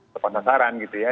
lepas tasaran gitu ya